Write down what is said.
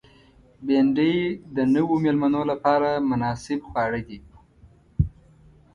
بېنډۍ د نوو مېلمنو لپاره مناسب خواړه دي